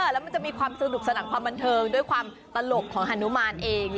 แล้วมันจะมีความสนุกสนานความบันเทิงด้วยความตลกของฮานุมานเอง